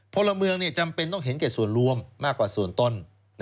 พลเมืองจำเป็นต้องเห็นแก่ส่วนรวมมากกว่าส่วนต้น